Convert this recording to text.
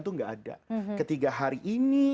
itu tidak ada ketika hari ini